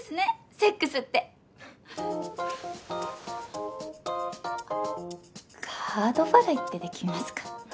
セックスってカード払いってできますか？